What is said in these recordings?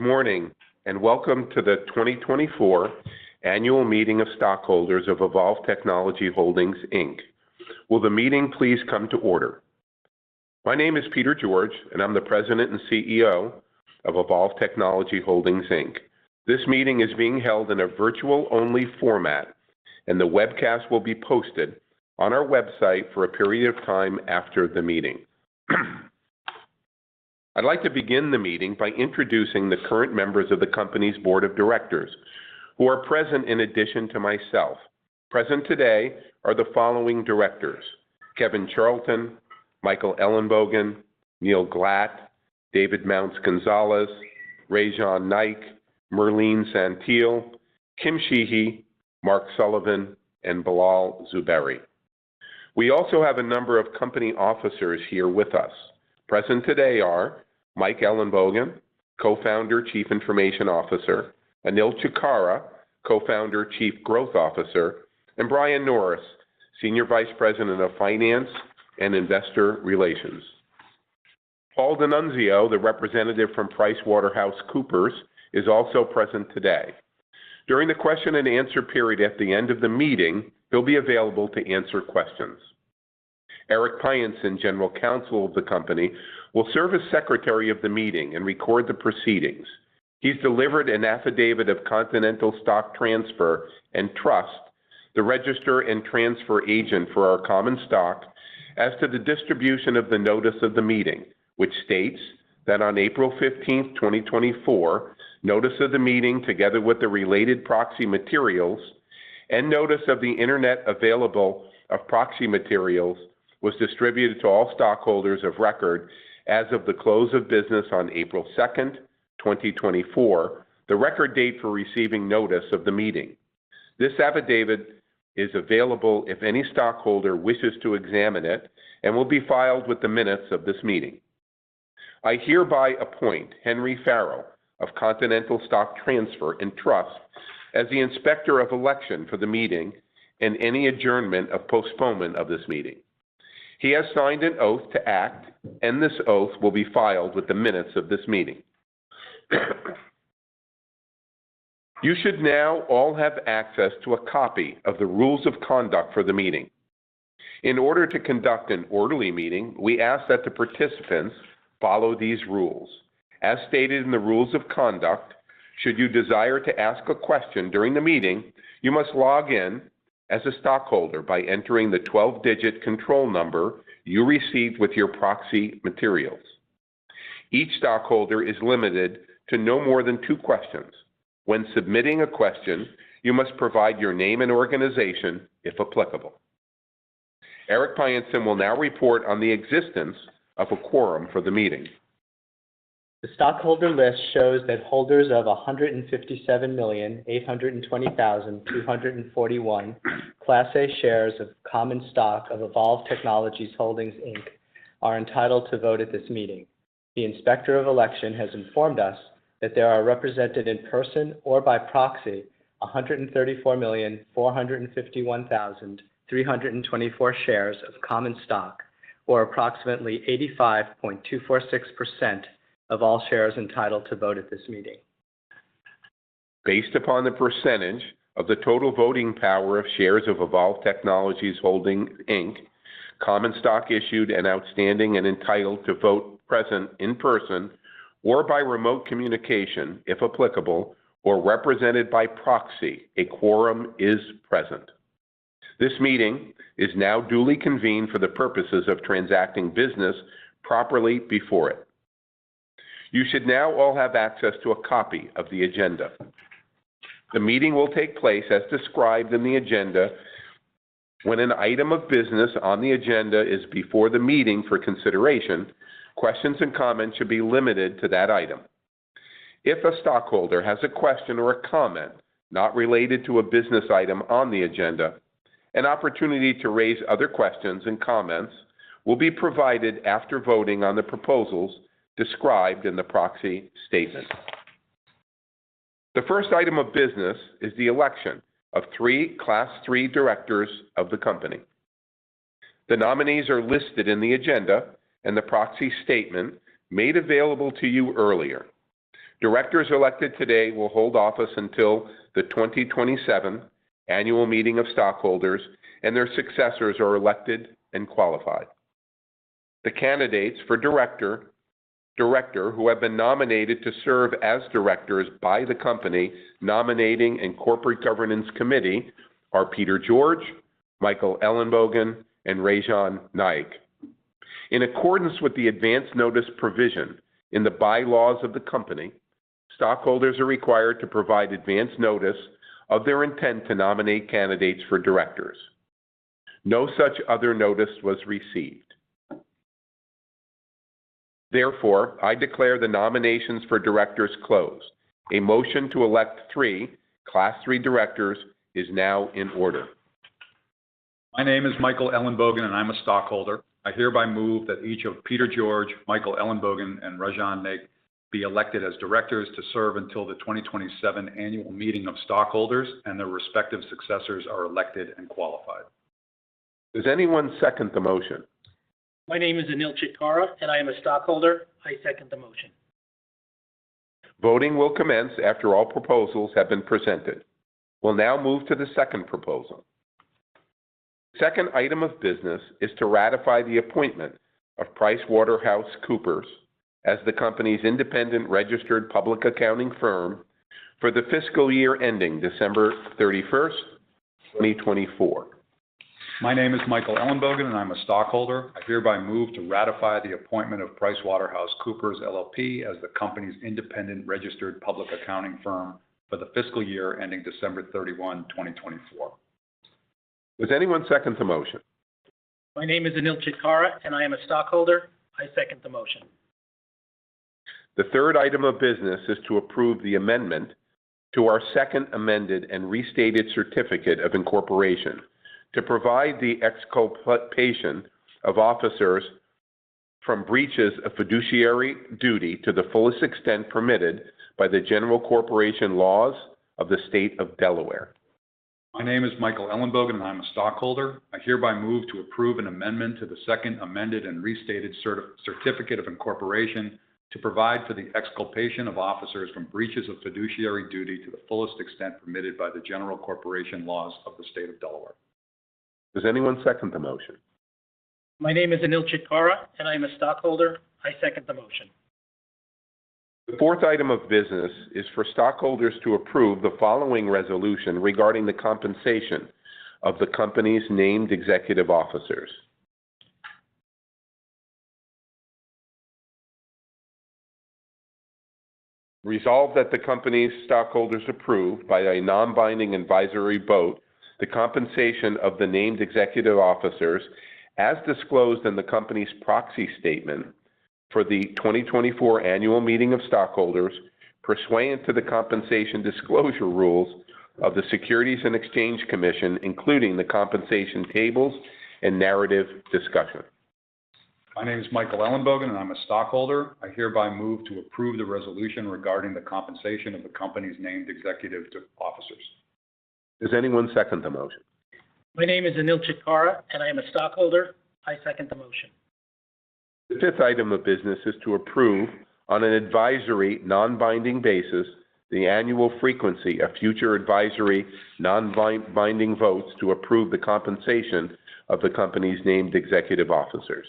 Good morning, and welcome to the 2024 Annual Meeting of Stockholders of Evolv Technologies Holdings, Inc. Will the meeting please come to order? My name is Peter George, and I'm the President and CEO of Evolv Technologies Holdings, Inc. This meeting is being held in a virtual-only format, and the webcast will be posted on our website for a period of time after the meeting. I'd like to begin the meeting by introducing the current members of the company's Board of Directors who are present in addition to myself. Present today are the following directors: Kevin Charlton, Michael Ellenbogen, Neil Glat, David Mounts Gonzales, Rajan Naik, Merline Saintil, Kim Sheehy, Mark Sullivan, and Bilal Zuberi. We also have a number of company officers here with us. Present today are Mike Ellenbogen, Co-founder, Chief Information Officer, Anil Chitkara, Co-founder, Chief Growth Officer, and Brian Norris, Senior Vice President of Finance and Investor Relations. Paul DeNunzio, the representative from PricewaterhouseCoopers, is also present today. During the question and answer period at the end of the meeting, he'll be available to answer questions. Eric Pyenson, General Counsel of the company, will serve as secretary of the meeting and record the proceedings. He's delivered an affidavit of Continental Stock Transfer and Trust, the registrar and transfer agent for our common stock, as to the distribution of the notice of the meeting, which states that on April fifteenth, 2024, notice of the meeting, together with the related proxy materials and notice of Internet availability of proxy materials, was distributed to all stockholders of record as of the close of business on April second, 2024, the record date for receiving notice of the meeting. This affidavit is available if any stockholder wishes to examine it and will be filed with the minutes of this meeting. I hereby appoint Henry Farrell of Continental Stock Transfer and Trust as the Inspector of Election for the meeting and any adjournment or postponement of this meeting. He has signed an oath to act, and this oath will be filed with the minutes of this meeting. You should now all have access to a copy of the rules of conduct for the meeting. In order to conduct an orderly meeting, we ask that the participants follow these rules. As stated in the rules of conduct, should you desire to ask a question during the meeting, you must log in as a stockholder by entering the 12-digit control number you received with your proxy materials. Each stockholder is limited to no more than 2 questions. When submitting a question, you must provide your name and organization, if applicable. Eric Pyenson will now report on the existence of a quorum for the meeting. The stockholder list shows that holders of 157,820,241 Class A shares of common stock of Evolv Technologies Holdings, Inc., are entitled to vote at this meeting. The Inspector of Election has informed us that there are represented in person or by proxy, 134,451,324 shares of common stock, or approximately 85.246% of all shares entitled to vote at this meeting. Based upon the percentage of the total voting power of shares of Evolv Technologies Holdings, Inc., common stock issued and outstanding and entitled to vote present in person or by remote communication, if applicable, or represented by proxy, a quorum is present. This meeting is now duly convened for the purposes of transacting business properly before it. You should now all have access to a copy of the agenda. The meeting will take place as described in the agenda. When an item of business on the agenda is before the meeting for consideration, questions and comments should be limited to that item. If a stockholder has a question or a comment not related to a business item on the agenda, an opportunity to raise other questions and comments will be provided after voting on the proposals described in the proxy statement. The first item of business is the election of three Class III Directors of the company. The nominees are listed in the agenda and the Proxy Statement made available to you earlier. Directors elected today will hold office until the 2027 Annual Meeting of Stockholders, and their successors are elected and qualified. The candidates for director who have been nominated to serve as directors by the company Nominating and Corporate Governance Committee are Peter George, Michael Ellenbogen, and Rajan Naik. In accordance with the advance notice provision in the Bylaws of the company, stockholders are required to provide advance notice of their intent to nominate candidates for directors. No such other notice was received. Therefore, I declare the nominations for directors closed. A motion to elect three Class III Directors is now in order. My name is Michael Ellenbogen, and I'm a stockholder. I hereby move that each of Peter George, Michael Ellenbogen, and Rajan Naik be elected as directors to serve until the 2027 Annual Meeting of Stockholders, and their respective successors are elected and qualified. Does anyone second the motion? My name is Anil Chitkara, and I am a stockholder. I second the motion. Voting will commence after all proposals have been presented. We'll now move to the second proposal. The second item of business is to ratify the appointment of PricewaterhouseCoopers as the company's independent registered public accounting firm for the fiscal year ending December 31, 2024. My name is Michael Ellenbogen, and I'm a stockholder. I hereby move to ratify the appointment of PricewaterhouseCoopers LLP as the company's independent registered public accounting firm for the fiscal year ending December thirty-one, twenty twenty-four. Does anyone second the motion? My name is Anil Chitkara, and I am a stockholder. I second the motion. The third item of business is to approve the amendment to our second amended and restated Certificate of Incorporation, to provide the exculpation of officers from breaches of fiduciary duty to the fullest extent permitted by the general corporation laws of the state of Delaware. My name is Michael Ellenbogen, and I'm a stockholder. I hereby move to approve an amendment to the second amended and restated certificate of incorporation, to provide for the exculpation of officers from breaches of fiduciary duty to the fullest extent permitted by the general corporation laws of the state of Delaware. Does anyone second the motion? My name is Anil Chitkara, and I am a stockholder. I second the motion. The fourth item of business is for stockholders to approve the following resolution regarding the compensation of the company's named executive officers. Resolved that the company's stockholders approve, by a non-binding advisory vote, the compensation of the named executive officers, as disclosed in the company's proxy statement for the 2024 annual meeting of stockholders, pursuant to the compensation disclosure rules of the Securities and Exchange Commission, including the compensation tables and narrative discussion. My name is Michael Ellenbogen, and I'm a stockholder. I hereby move to approve the resolution regarding the compensation of the company's named executive officers. Does anyone second the motion? My name is Anil Chitkara, and I am a stockholder. I second the motion. The fifth item of business is to approve, on an advisory, non-binding basis, the annual frequency of future advisory non-binding votes to approve the compensation of the company's named executive officers.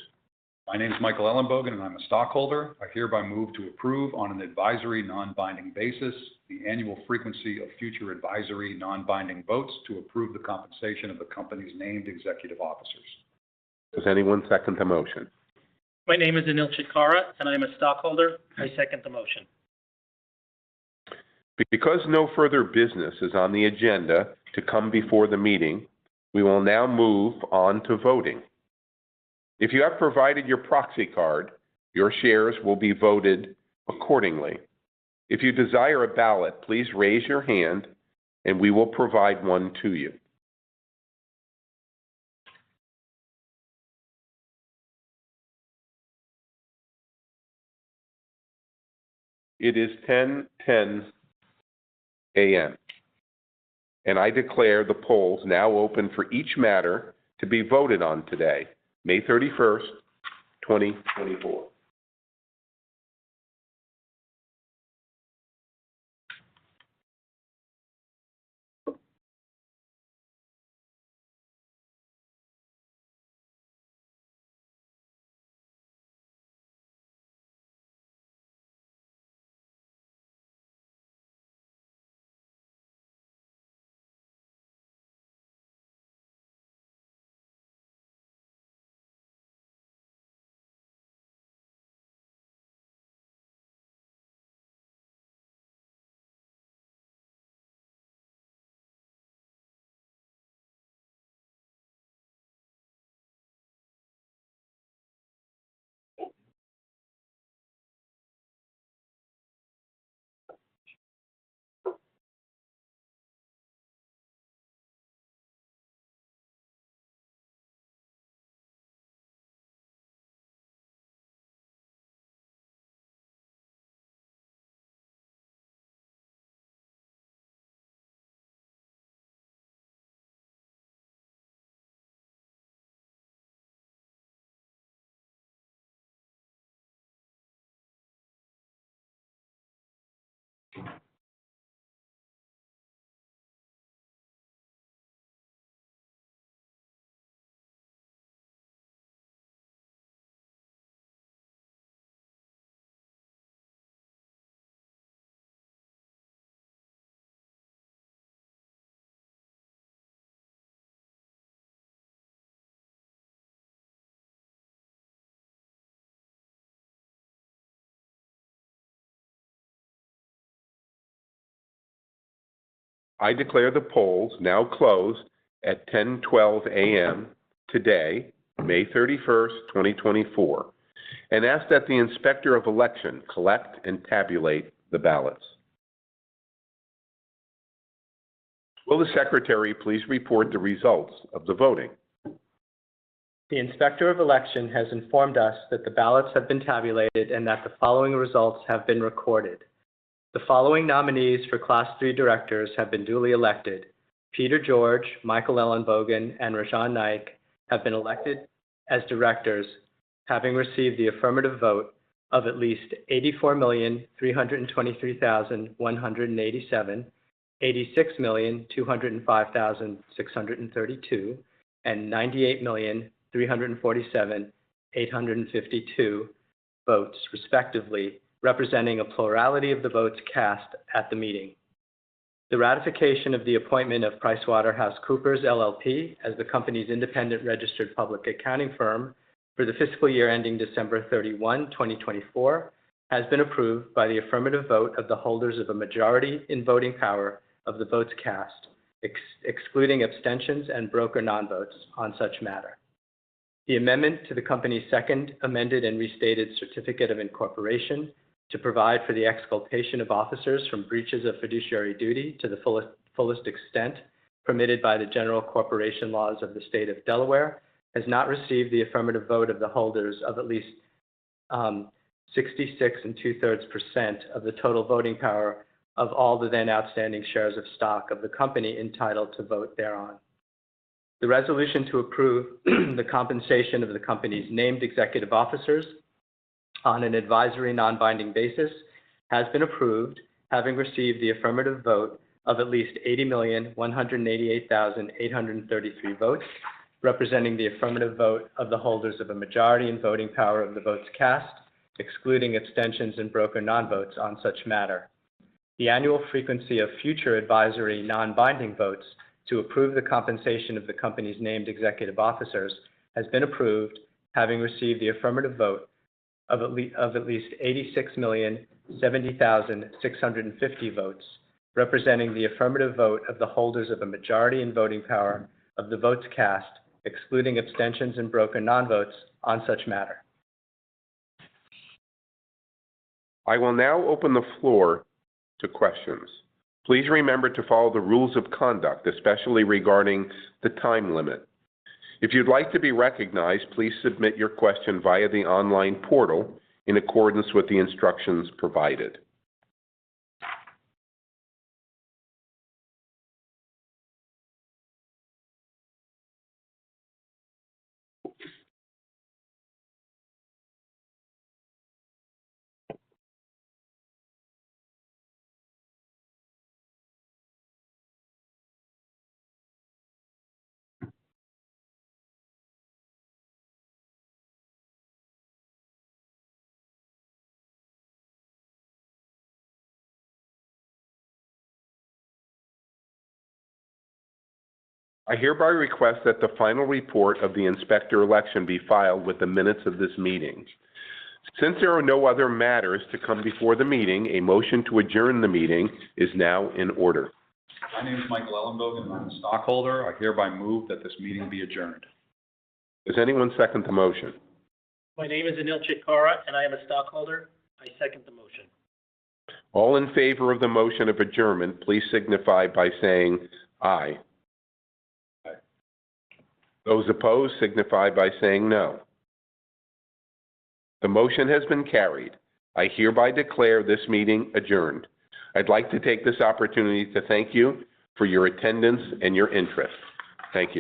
My name is Michael Ellenbogen, and I'm a stockholder. I hereby move to approve, on an advisory, non-binding basis, the annual frequency of future advisory non-binding votes to approve the compensation of the company's named executive officers. Does anyone second the motion? My name is Anil Chitkara, and I am a stockholder. I second the motion. Because no further business is on the agenda to come before the meeting, we will now move on to voting. If you have provided your proxy card, your shares will be voted accordingly. If you desire a ballot, please raise your hand and we will provide one to you. It is 10:10 A.M., and I declare the polls now open for each matter to be voted on today, May 31, 2024. I declare the polls now closed at 10:12 A.M. today, May 31, 2024, and ask that the Inspector of Election collect and tabulate the ballots. Will the secretary please report the results of the voting? The Inspector of Election has informed us that the ballots have been tabulated and that the following results have been recorded. The following nominees for class three directors have been duly elected: Peter George, Michael Ellenbogen, and Rajan Naik have been elected as directors, having received the affirmative vote of at least 84,323,187, 86,205,632, and 98,347,852 votes respectively, representing a plurality of the votes cast at the meeting. The ratification of the appointment of PricewaterhouseCoopers LLP as the company's independent registered public accounting firm for the fiscal year ending December 31, 2024, has been approved by the affirmative vote of the holders of a majority in voting power of the votes cast, excluding abstentions and broker non-votes on such matter. The amendment to the company's second amended and restated certificate of incorporation to provide for the exculpation of officers from breaches of fiduciary duty to the fullest extent permitted by the general corporation laws of the State of Delaware, has not received the affirmative vote of the holders of at least 66 2/3% of the total voting power of all the then outstanding shares of stock of the company entitled to vote thereon. The resolution to approve the compensation of the company's named executive officers on an advisory non-binding basis, has been approved, having received the affirmative vote of at least 80,188,833 votes, representing the affirmative vote of the holders of a majority in voting power of the votes cast, excluding abstentions and broker non-votes on such matter. The annual frequency of future advisory non-binding votes to approve the compensation of the company's named executive officers has been approved, having received the affirmative vote of at least 86,070,650 votes, representing the affirmative vote of the holders of the majority in voting power of the votes cast, excluding abstentions and broker non-votes on such matter. I will now open the floor to questions. Please remember to follow the rules of conduct, especially regarding the time limit. If you'd like to be recognized, please submit your question via the online portal in accordance with the instructions provided. I hereby request that the final report of the Inspector of Election be filed with the minutes of this meeting. Since there are no other matters to come before the meeting, a motion to adjourn the meeting is now in order. My name is Michael Ellenbogen, and I'm a stockholder. I hereby move that this meeting be adjourned. Does anyone second the motion? My name is Anil Chitkara, and I am a stockholder. I second the motion. All in favor of the motion of adjournment, please signify by saying, "Aye." Those opposed, signify by saying, "No." The motion has been carried. I hereby declare this meeting adjourned. I'd like to take this opportunity to thank you for your attendance and your interest. Thank you.